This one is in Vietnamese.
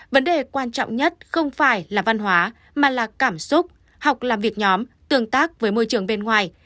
vấn đề quan trọng nhất không phải là văn hóa mà là cảm xúc học làm việc nhóm tương tác với môi trường bên ngoài